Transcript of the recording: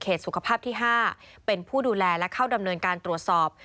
สุขภาพที่๕เป็นผู้ดูแลและเข้าดำเนินการตรวจสอบ